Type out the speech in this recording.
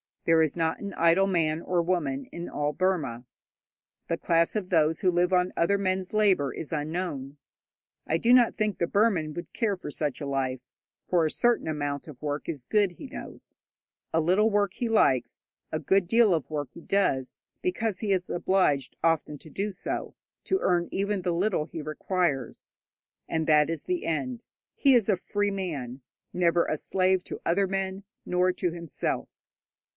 There is not an idle man or woman in all Burma. The class of those who live on other men's labour is unknown. I do not think the Burman would care for such a life, for a certain amount of work is good, he knows. A little work he likes; a good deal of work he does, because he is obliged often to do so to earn even the little he requires. And that is the end. He is a free man, never a slave to other men, nor to himself.